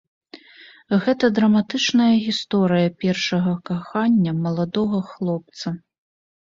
Гэта драматычная гісторыя першага кахання маладога хлопца.